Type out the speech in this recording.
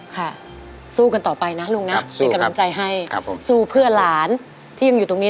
ค่ะสู้กันต่อไปนะลุงนะเป็นกำลังใจให้ผมสู้เพื่อหลานที่ยังอยู่ตรงนี้